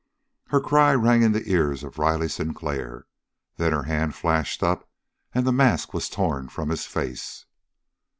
Her cry rang in the ears of Riley Sinclair. Then her hand flashed up, and the mask was torn from his face.